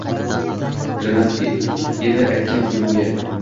Kirmas edi aytgan so’zimga.